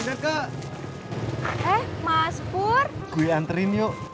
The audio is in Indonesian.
ntar nganterin yuk